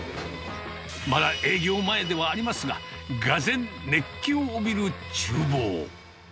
まだ営業前ではありますが、がぜん、熱気を帯びるちゅう房。